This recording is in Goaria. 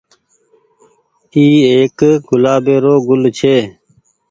اي ايڪ گلآبي رو گل ڇي۔